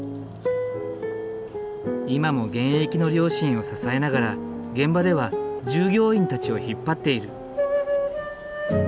今も現役の両親を支えながら現場では従業員たちを引っ張っている。